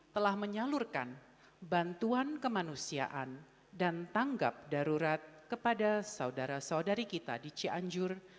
telah menyalurkan bantuan kemanusiaan dan tanggap darurat kepada saudara saudari kita di cianjur